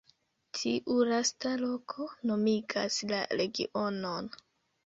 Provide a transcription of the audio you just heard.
Tiu lasta loko nomigas la regionon.